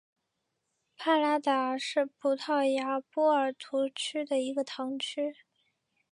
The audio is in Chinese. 帕拉达是葡萄牙波尔图区的一个堂区。